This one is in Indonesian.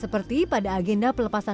seperti pada agenda pelestari penyu alun utara